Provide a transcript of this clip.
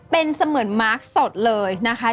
เป็นเสมือนมาร์คสดเลยนะคะ